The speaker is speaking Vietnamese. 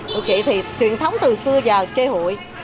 tụi chị thì truyền thống từ xưa giờ chê hụi